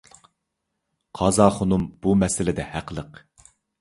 قازاخۇنۇم بۇ مەسىلىدە ھەقلىق.